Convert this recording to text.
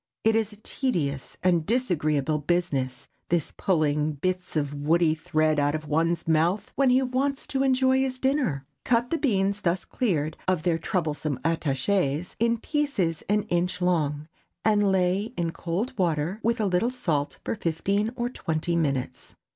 It is a tedious and disagreeable business, this pulling bits of woody thread out of one's mouth when he wants to enjoy his dinner. Cut the beans thus cleared of their troublesome attachés, in pieces an inch long, and lay in cold water with a little salt for fifteen or twenty minutes.